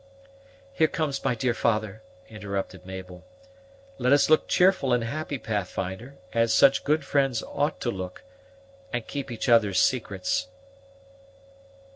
"Here comes my dear father," interrupted Mabel. "Let us look cheerful and happy, Pathfinder, as such good friends ought to look, and keep each other's secrets."